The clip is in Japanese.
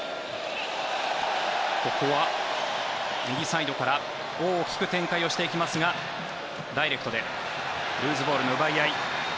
ここは右サイドから大きく展開していきますがダイレクトでルーズボールの奪い合い。